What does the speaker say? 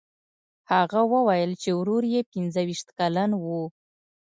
هغه وویل چې ورور یې پنځه ویشت کلن و.